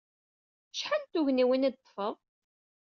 Acḥal n tugniwin ay d-teḍḍfeḍ?